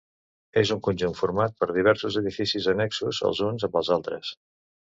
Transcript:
És un conjunt format per diversos edificis annexos els uns amb els altres.